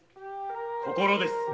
心です。